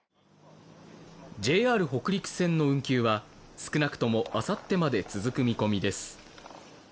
ＪＲ北陸線の運休は少なくともあさってまで続く見込みです。